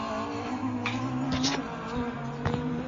El conde inmediatamente mandó a Juan de Ayala a buscar a su esposa.